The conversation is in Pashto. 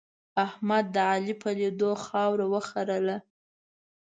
احمد د علي په لیدو خاوره وخرله.